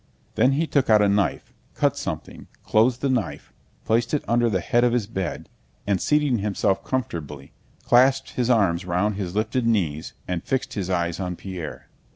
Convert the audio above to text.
Then he took out a knife, cut something, closed the knife, placed it under the head of his bed, and, seating himself comfortably, clasped his arms round his lifted knees and fixed his eyes on Pierre.